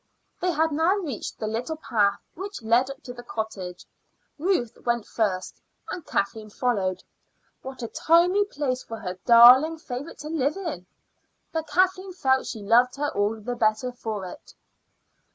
They had now reached the little path which led up to the cottage. Ruth went first, and Kathleen followed. What a tiny place for her darling favorite to live in! But Kathleen felt she loved her all the better for it.